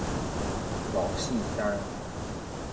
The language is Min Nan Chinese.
五四三